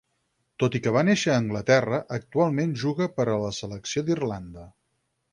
Tot i que va néixer a Anglaterra, actualment juga per a la selecció d'Irlanda.